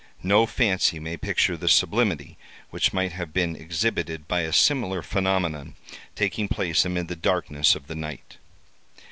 No fancy may picture the sublimity which might have been exhibited by a similar phenomenon taking place amid the darkness of the night.